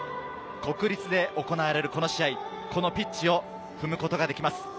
国立で行われるこの試合、このピッチを踏むことができます。